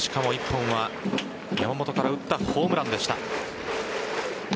１本は山本から打ったホームランでした。